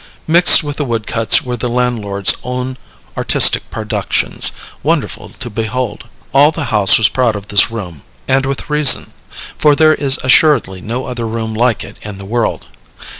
Mixed with the woodcuts were the landlord's own artistic productions, wonderful to behold. All the house was proud of this room, and with reason; for there is assuredly no other room like it in the world.